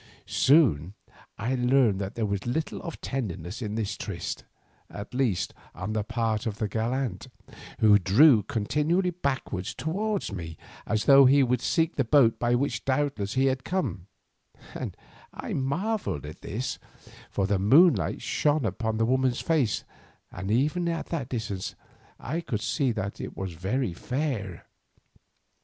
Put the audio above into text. Soon I learned that there was little of tenderness in this tryst, at least on the part of the gallant, who drew continually backwards toward me as though he would seek the boat by which doubtless he had come, and I marvelled at this, for the moonlight shone upon the woman's face, and even at that distance I could see that it was very fair.